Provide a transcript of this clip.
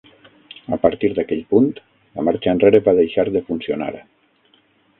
A partir d'aquell punt, la marxa enrere va deixar de funcionar.